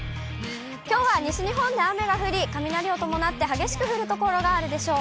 きょうは西日本で雨が降り、雷を伴って激しく降る所があるでしょう。